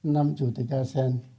năm chủ tịch asean